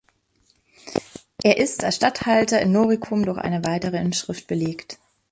Er ist als Statthalter in Noricum durch eine weitere Inschrift belegt.